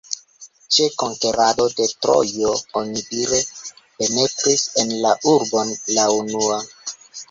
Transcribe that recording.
Ĉe konkerado de Trojo onidire penetris en la urbon la unua.